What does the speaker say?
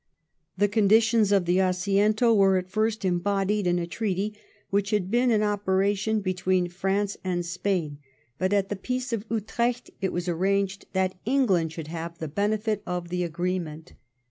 The conditions of the Assiento were at first embodied in a treaty which had been in operation between France and Spain, but at the Peace of 136 THE llEIGN OF QUEEN ANNE. ch. xxvii. Utrecht it was arranged that England should have the benefit of the agreement.